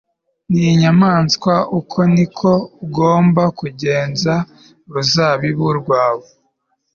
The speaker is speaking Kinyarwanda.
n inyamaswa uko ni ko ugomba kugenza uruzabibu rwawe